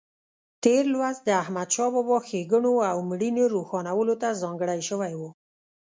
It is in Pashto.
تېر لوست د احمدشاه بابا ښېګڼو او مړینې روښانولو ته ځانګړی شوی و.